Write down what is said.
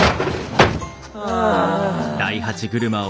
ああ。